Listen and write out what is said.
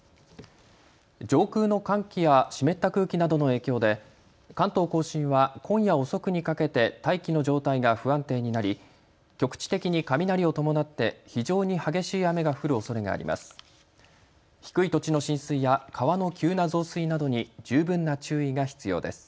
上空の寒気や湿った空気などの影響で関東甲信は今夜遅くにかけて大気の状態が不安定になり局地的に雷を伴って非常に激しい雨が降るおそれがあります。